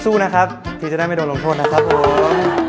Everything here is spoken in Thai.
สู้นะครับที่จะได้ไม่โดนลงโทษนะครับผม